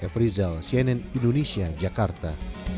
f rizal cnn indonesia jakarta